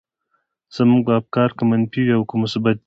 زموږ افکار که منفي دي او که مثبت دي.